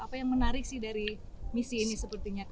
apa yang menarik sih dari misi ini sepertinya